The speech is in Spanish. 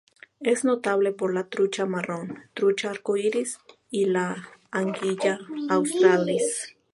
Es notable por la trucha marrón, trucha arcoíris y la "Anguilla australis".